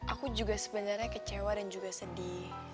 aku juga sebenarnya kecewa dan juga sedih